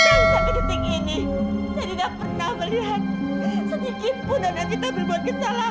setelah saya jatuh sampai detik ini saya tidak pernah melihat sedikit pun non evita berbuat kesalahan